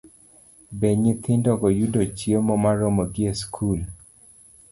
Be nyithindogo yudo chiemo moromogi e skul?